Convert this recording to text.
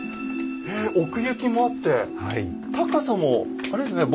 へえ奥行きもあって高さもあれですね